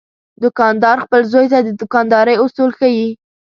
دوکاندار خپل زوی ته د دوکاندارۍ اصول ښيي.